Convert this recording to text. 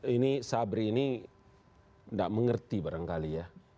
ini sabri ini tidak mengerti barangkali ya